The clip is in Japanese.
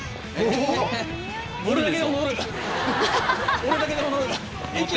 俺だけでも乗る！